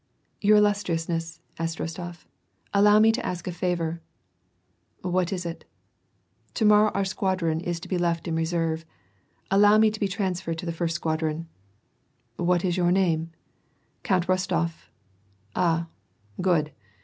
"Your illustriousness," said Eostof, "allow me to ask a faTor." ''What is it?" *" To morrow our squadron is to be left in reserve ; allow me to be transferred to the first squadron." « What's your name ?" "Count Rostof." "Ah, good.